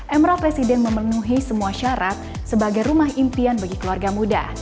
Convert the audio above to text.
emeral presiden memenuhi semua syarat sebagai rumah impian bagi keluarga muda